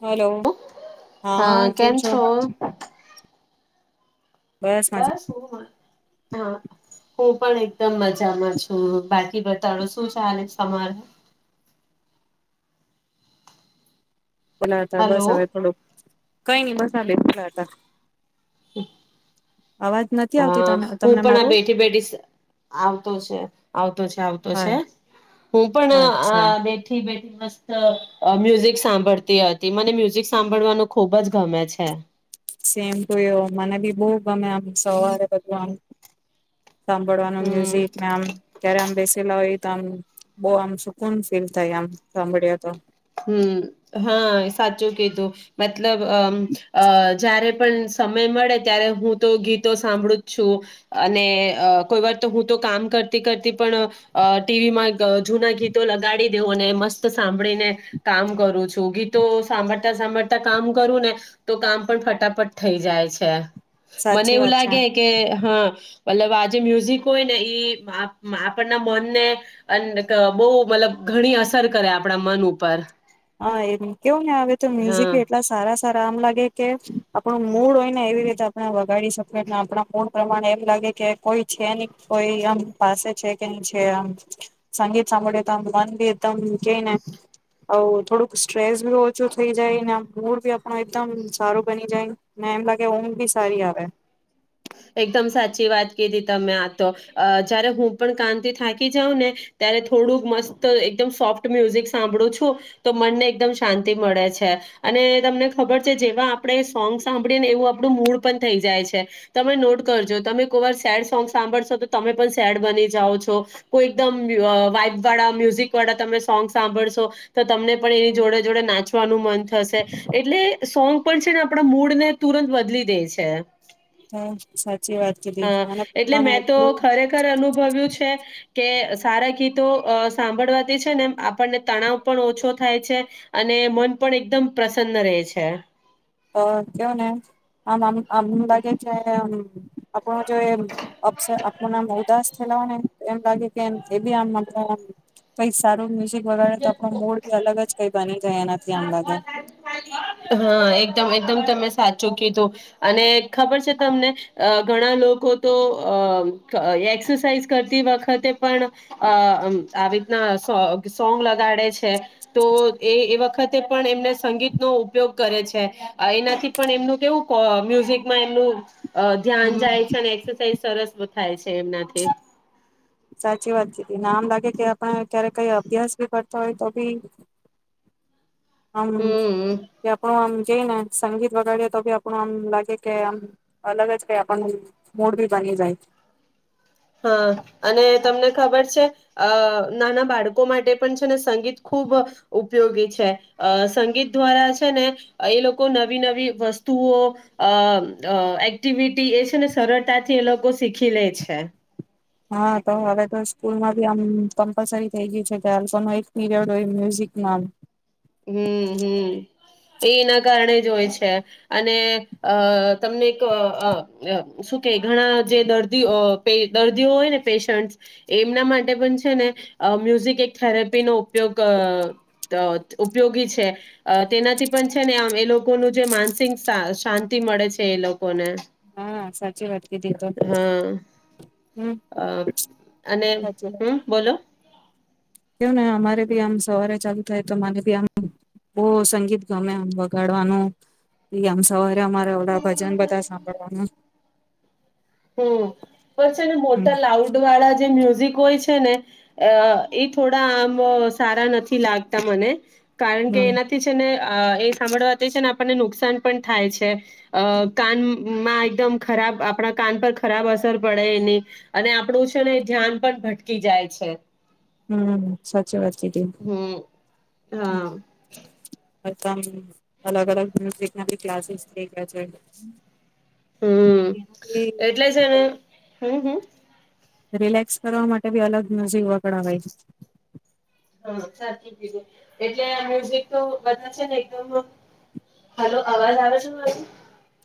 Hello હા કેમ છો? બસ હું મ હા હું પણ એકદમ મજામાં છું બાકી બતાડો શું ચાલે તમારે? ના ત બસ હલો હવે થોડુંક કઈ નઈ બસ [unintelligible] પલાટા [inaudible] અ આવતી તને હું તમને પણ મારો આ બેઠી બેઠી આવતો છે આવતો છે આવતો હા છે હ હું પણ અચ્છા આ બેઠી બે મસ્ત મ્યુઝિક સાંભળતી હતી મને મ્યુઝિક સાંભળવાનું ખુબ જ ગમે છે. સેમ ટુ યુ મને બી બઉ ગમે આમ સવારે બધું આમ. સાંભળવાનું હમ મ્યુઝિક મેમ ક્યારે આમ બેસ લઇ તો આમ બો આમ સુકૂન ફીલ થાય આમ સંભળાય તો. હમ હા સાચું કે તો મે મતલબ, જ્યારે પણ સમય મળે ત્યારે, હું તો ગીતો સાંભળું જ છું, અને કોઈ વાર તો હું તો કામ કરતી-કરતી પણ ટીવીમાં જૂના ગીતો લગાડી દેઉં અને મસ્ત સાંભળીને. કામ કરું છું, ગીતો સાંભળતા સાંભળતા કામ કરું ને, તો કામ પણ ફટાફટ થઈ જાય છે. મને સાચી એવું વાત છે લાગે કે, હા. મતલબ, આ જે મ્યુઝિક હોય ને, ઈ આપણના મનને બહુ, મતલબ, ઘણી અસર કરે, આપણા મન ઉપર. હા, એમ કેવું ને આવે, તો મ્યુઝિકી હા એટલા સારા. તારા આમ લાગે કે, આપણું મૂડ હોય ને, એવી રીતે આપણે વગાડી શકીએને, આપણા મૂડ પ્રમાણે. એમ લાગે કે કોઈ છે, કોઈ આમ પાસે છે કે ન છે. આમ સંગીત સાંભળએ તો, આમ મન બી એકદમ કેઈને. થોડુંક સ્ટ્રેસ બી ઓછું થઈ જાય ને, મૂડ બી આપણો એકદમ સારો બની જાય ને, એમ લાગે ઉધ બી સારી આવે. એકદમ સાચી વાત કીધી તમે. આ તો જયારે હું પણ કામ થી થાકી જાઉં ને, ત્યારે થોડુંક મસ્ત એકદમ સોફ્ટ મ્યુઝિક સાંભળું છું, તો મનને એકદમ શાંતિ મળે છે. અને તમને ખબર છે, જેવા આપણે સોંગ સાંભળીએ ને, એવું આપણું મૂળ પણ થઈ જાય છે. તમે નોટ કરજો, તમે કોઈ વાર સેડ સોંગ સાંભળશો, તો તમે પણ સેડ બની જાઓ છો. કોઈ એકદમ વાઈબ વાળા મ્યુઝિક વાળા તમે સોંગ સાંભળશો, તો તમને પણ એની જોડે-જોડે નાચવાનું મન થશે, એટલે સોંગ. પણ છે ને, આપણા મૂડ ને તુરંત બદલી દે છે. હ, સાચું. હા, એટલે મેં તો ખરેખર અનુભવ્યું છે. કે, સારા ગીતો સાંભળવાથી છે ને, એમ આપણને તણાવ પણ ઓછો થાય છે અને મન પણ એકદમ પ્રસન્ન રહે છે. અ, કેવું ને, આમ આમ આમ લાગે છે ને આપણ જે અસર આપ નામ. ઉદાસ થયા હોય ને, એમ લાગે કે એ બી આમ કંઈક સારું. ગીત વગાડે, તો આપણો મૂડ ભી અલગ જ કંઈ બની જાય, એનાથી આમ લાગે. હા એકદમ એકદમ તમે સાચું કીધું. અને ખબર છે તમને, ઘણા લોકો તો અ એક્સરસાઇઝ કરતી વખતે પણ અ આવી રીતના. સોંગ લગાડે છે, તો એ એ વખતે પણ એમને સંગીતનો ઉપયોગ કરે છે. એનાથી પણ એમનું, કેવું મ્યુઝિકમાં એમનું. અ, ધ્યાન હમ જાય છે, અને એક્સરસાાઈઝ સરસ બો થાય છે, એમનાથી. સાચી વાતને, આમ લાગે કે આપણે ક્યારે કંઈ અભ્યાસ ભી કરતા હોય, તો ભી હમ, કે આપણો આમ કે ને, સંગીત વગાડીએ તો બી, આપણું આમ લાગે કે આમ અલગ જ, કે આપણો મૂડ બી બની જાય. હા, અને તમને ખબર છે? અ નાના બાળકો માટે પણ છે ને, સંગીત ખૂબ ઉપયોગી છે. અ સંગીત દ્વારા છે ને, એ લોકો નવી-નવી વસ્તુઓ અ એક્ટિવિટી એ છે ને, સરળતાથી એ લોકો શીખી લે છે. હા, તો હવે તો સ્કૂલમાં બી આમ કમ્પલસરી થઈ ગયું છે, એક પીરિડ હોય મ્યુઝિકમાં. હમ હમ, એ એના કારણે જ હોય છે. અને અ તમને એક શું કે, ઘણા જે દર્દીઓ દર્દીઓ હોય ને, પેશન્ટ એમના માટે પણ છે ને મ્યુઝિક એક થેરેપીનો ઉપયોગ ઉપયોગી છે. તેનાથી પણ છે ને, આમ, એ લોકોનું જે માનસિક શાંતિ મળે છે, એ લોકોને. હા, સાચી વાત કીધી. તો હા હમ, અને સાચી વાત. હમ બોલો કેવું ને, અમારે ભી આમ સવારે ચાલુ થાય, તો મને બી આમ બહુ સંગીત ગમે, આમ વગાડવાનું આમ સવારે. અમારે ઓડા ભજન, બધા સાંભળવાનું. હમ, પણ છે ને, હમ મોટા લાઉડ વાળા જેમ. જે હોય છે ને, એ થોડા આમ સારા નથી લાગતા મને. કારણ કે હમ એનાથી છે ને. અ એ સાંભળવા તે છે ને, આપણને નુકસાન પણ થાય છે, અ કાનમાં એકદમ ખરાબ આપણા. કાન પર ખરાબ અસર પડે એની અને આપણું છે ને ધ્યાન પણ ભટકી જાય છે હમ સાચી વાતતીી હમ હા હતી મ અલગ અલગ મ્યુઝિક ના બી ક્લાસીસ થઈ ગયા હમ એનાથી એટલે છે ને હમ હમ રિલેક્સ કરવા માટે બી અલગ મ્યુઝિક વકડવાય છે હા સાચી પી છે એટલે મ્યુઝિક તો બધા છે ને એકદમ હાલ અવાજ આવે છેછ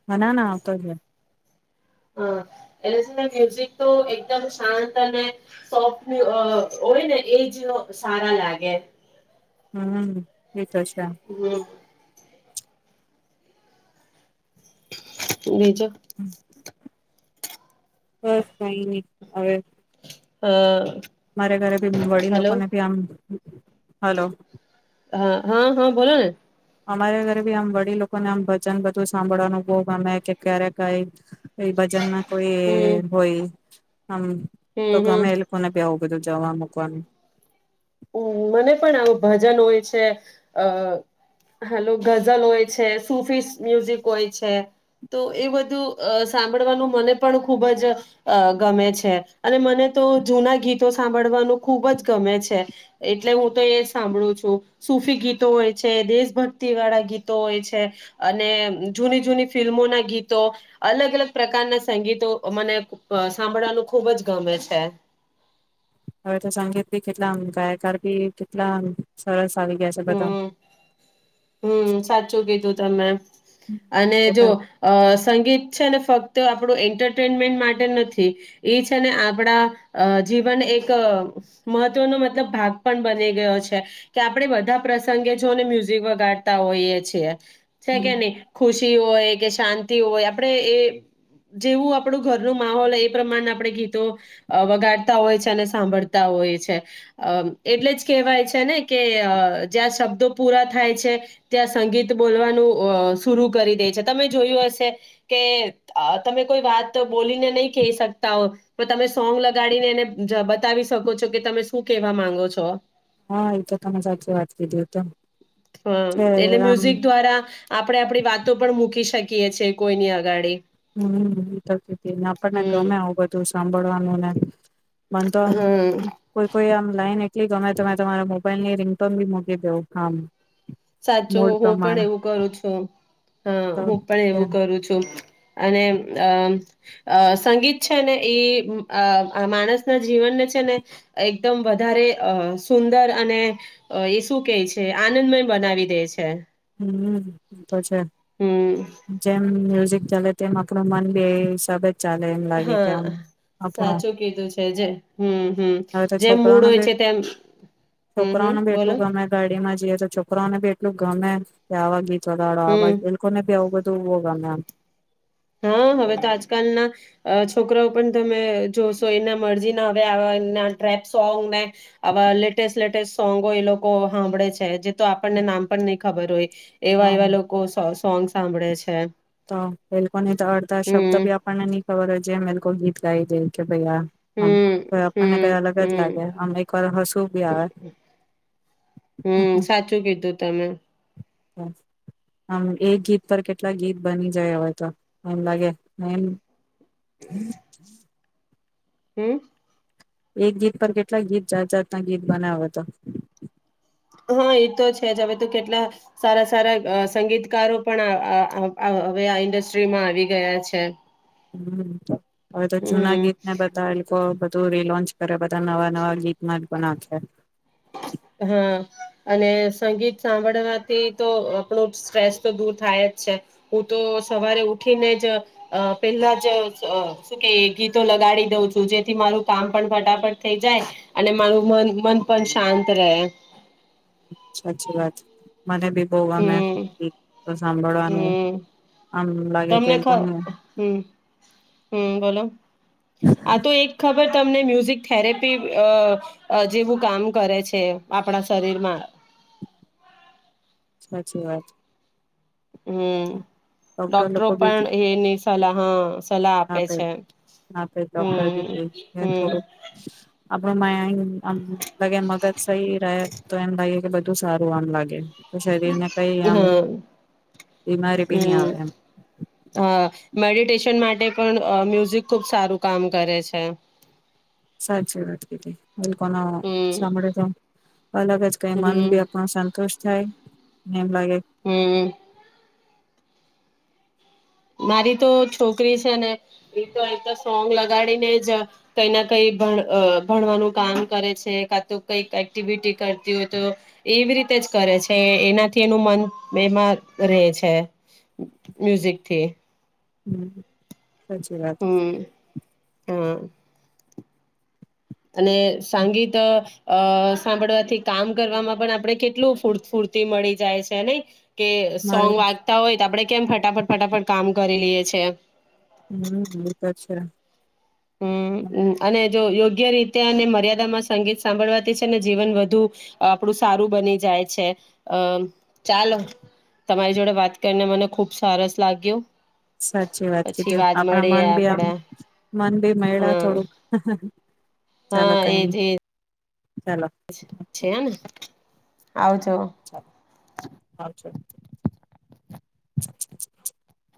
હના ના આવતો જ હા એટલે તને મ્યુઝિક તો એકદમ શાંત અને સોફ્ટ હોય ને એ જ સારા લાગે હમ વિતોષા હમ એજો બસ કઈ નઈ હવે અ મારે ઘરે ભી વડી હલો લોકો ને ભી આમ હલો હા હા હા બોલો ને અમારા ઘરે ભી આમ વડી લોકો ને આમ ભજન બધું સાંભળવાનું બહ ગમે કે ક્યારે કઈ કો ભજન ના કોઈ હમ હોય હમ તો હમ ગમે હમ એ લોકોને પ આવ તો જવા મકવાનું હમ મને પણ આવું ભજન હોય છે અ હલો ગઝલ હોય છે સુફી મ્યુઝિક હોય છે તો એ બધું અ સાંભળવાનું મને પણ ખૂબ જ ગમે છે અને મને તો જૂના ગીતો સાંભળવાનું ખૂબ જ ગમે છે એટલે હું તો એ જ સાંભળું છું સફી ગીતો હોય છે દેશભક્તિ વાળા ગીતો હોય છે અને જૂની જૂની ફિલ્મોના ગીતો અલગ અલગ પ્રકારના સંગીતો મને સાંભળવાનું ખૂબ જ ગમે છે હવે તો સંગીત બી કેટલા ગાયકાર ભી કેટલા સરસ ગયા છે બધા હમ હમ સાચું કીધું તમે અને એટલે જો સંગીત છે ને ફક્ત આપણું એન્ટરટેનમેન્ટ માટે નથી એ છે ને આપણા જીવન એક મહત્વનો મતલબ ભાગ પણ બની ગયો છે કે આપડણે બધા પ્રસંગે જોને મ્યુઝિક વગાડતા હોઈએ છીએ છે કેને ખુશી હોય કે શાંતિ હોય આપણે એ જેવું આપણું ઘર ન માહોલ એ પ્રમાણે આપણે ગીતો વગાડતા હોય છે અને સાંભળતા હોય છે એટલે જ કેહેવાય છે ને કે જ્યાં શબ્દો પૂરા થાય છે ત્યાં સંગીત બોલવાનું શરુ કરી દે છે તમે જોયું હશે કે તમે કોઈ વાત બોલીને નહી કહી શકતા હો તો તમે સોંગ લગાડીને એને બતાવી શકો છો કે તમે શું કેહેવા માંગો છો હા એ તો તમે સાચી વાત કીધી હત હ એટલે મ્યુઝિક દ્વારા આપણે આપણી વાતો પણ મૂકી શકીએ ક છે કોઈ નની અગાડી હમને આપણને ગમે હમ આવું બધું સંંભળવાનું મન તો આમ હમ કોઈ કોઈ આમ લાઈને ગમે તમે તમારો ભ મોલ ની રિંગટોન ભી મકી દેવ કામ સાચું હું પણ એવું કરું છું હા તો હું પણ એવું કરું છું અને અ સંગીત છે ને એ માણસના જીવનને છે ને એકદમ વધારે અ સુંદર અને એ શું કે છે આનંદમય બનાવી દે છે હમ છે હમ જેમ ચાલે તેમ આપણું મન બ હિસાબે જ ચાલે એમ લાગે કે આમ હા આપણો સાચું કીધું છે જે હમ હમ હવે તો જેમ મૂળ છોકરાઓને હોય બી છે તેમ હમ હમ છોકરાઓને બી બોલો એટલું ગમે ગાડીમાં તો છોકરાઓને ભી એટલું ગમે આવવાાગ ચોદાડ આવા હમ એલ્કોને ભી હો હોવા મે હા હવે તો આજકાલના છોકરાઓ પણ તમે જોશો એના મરજી ના હવે આવા ટ્રેપ સોંગ ને આવા લેટેસ્ટ લેટેસ્ટ સોંગો એ લોકો સાંભળે છે તો આપણને નામ પણ નહી ખબર હોય એવા હા એવા લોકો સોંગ સાંભળે છે તો એલની તો અર્ધા શબ્દ હમ બી આપણને નઈ ખબર હો જેમલ ગીત [unintelligible] ભ હમ આપણને ક હમ અલગ જ હમ લાગે આમ એક વાર હશુંભી આવે હમ સાચું કીધું તમે આમ એ ગીત પર કેટલા ગીત બની જાય હવે તો એમ લાગેમ હમ હમ એક ગીત પર કેટલાક ગીત જાત જાતના ગીત બનાવ હતા હા એ તો છે જ હવે તો કેટલા સારા સારા સંગીતકારો પણ હવે આ ઇન્ડસ્ટ્રીમાં આવી ગયા છે હમ હવે તો જુના હમ ગીત ને બતાવેલ તું રીલોન્ચ કરે બધા નવા નવા ગીતમાં જ બ નાખે હા અને સંગીત સાંભળવાથી તો આપણો સ્ટ્રેસ તો દૂર થાય જ છે હું તો સવારે ઉઠીને જ પેલા જ શું કે ગીતો લગાડી દઉં છું જેથી મારું કામ પણ ફટાફટ થઈ જાય અને મારું મન મન પણ શાંત ર સાચી વાત મને બી પોવા મે હમ સાંભળવાનું હમ આમ લાગે કે તમને કો ખ હમ હમ બોલો આ તો એક ખબર તમને મ્યુઝિક થેરેપી જેવું કામ કરે છે આપણા શરીરમાં સાચી વાત હમ ડોક્ટર પણ એ નહી સલા હા ના ના ડોક્ટરી ક હમ હમ થોડો રમાયા આમ લગે મગજ સહી રહે તો એમ લાગે કે બધું ું સારું આન લાગે તો શરીરને કઈ આમ હા બીમારી બી નહી હમ આવે એમ હા મેડિટેશન માટે પણ મ્યુઝિક ખુબ સારું કામ કરે છે સાચી વાત કીધ કોનો હમ સાંભળે તો અલગ જ કઈ મન હમ ભી આપણ સંતુષ્ટ જય નિમ લાગે હમ મારી તો છોકરી છે ને એ તો એક તો સોંગ લગાડીને જ કઈ ના કઈ ભણવાનું કામ કરે છે કા તો કઈક એક્ટિવિટી કરતી હોય તો એવી રીતે જ કરે છે એનાથી એનું મન બેમાર રહે છે મ્યુઝિક છે હમ હમ હા અને સંગીત અ સાંભળવાથી કામ કરવામાં પણ આપડણે કેટલું ફૂતફૂર્તિ મળી જાય છે નહી કે મળે સોંગ વાગતા હોય તો આપણે કેમ ફટાફટ ફટાફટ કામ કરી લઈએ છે હમ એી તો છે હમ અને યોગ્ય રીતે અને મર્યાદામાં સંગીત સાંભળવાથી છે ને જીવન વધુ આપણું સારું બની જાય છે અમ ચાલો તમારી જોડે વાત કરીને મને ખુબ સરસ લાગ્યું સાચી વાત પછી કીધું આપણા મળીએ મન બી આમ આપડે મન ી મેડા હા થોડુંક ચાલો હા કઈ એજ નઈ એજ ચાલો છે ને આવ હછ [unintelligible]